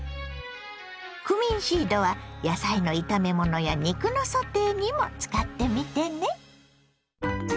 クミンシードは野菜の炒め物や肉のソテーにも使ってみてね。